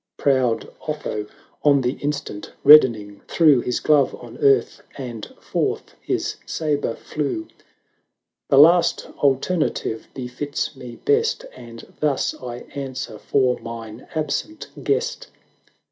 Proud Otho on the instant, reddening, threw His glove on earth, and forth his sabre flew. 402 LARA [Canto ii. "The last alternative befits me best, 700 And thus I answer for mine absent guest."